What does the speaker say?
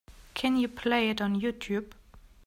Can you play it on Youtube?